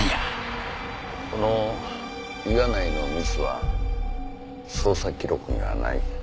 この岩内のミスは捜査記録にはない。